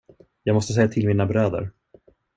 Jag måste säga till mina bröder.